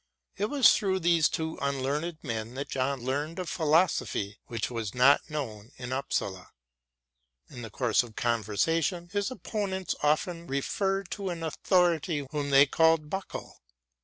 It was through these two unlearned men that John learned a philosophy which was not known at Upsala. In the course of conversation, his opponents often referred to an authority whom they called "Buckle."